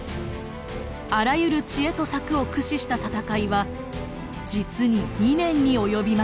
あらゆる知恵と策を駆使した戦いは実に２年に及びました。